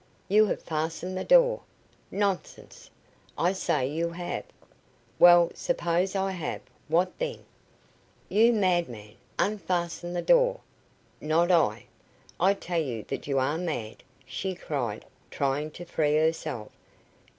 "You have fastened the door." "Nonsense." "I say you have!" "Well, suppose I have. What then?" "You madman! Unfasten the door." "Not I." "I tell you that you are mad," she cried, trying to free herself.